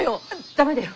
駄目だよ。